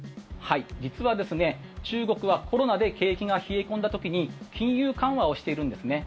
実は、中国はコロナで景気が冷え込んだ時に金融緩和をしているんですね。